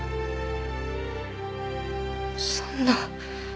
そんな。